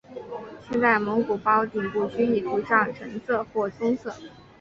现在蒙古包顶部均已涂上橙色或棕色。